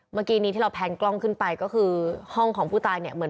เมื่อกี้นี้ที่เราแพงกล้องขึ้นไปก็คือห้องของผู้ตายเนี่ยเหมือน